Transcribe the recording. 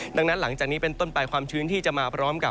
ดังนั้นหลังจากนี้เป็นต้นไปความชื้นที่จะมาพร้อมกับ